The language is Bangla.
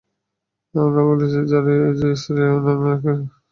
আমরা বলেছি যে, ইসরাঈলী বর্ণনাকে আমরা সত্যও জানবো না, মিথ্যাও বলবো না।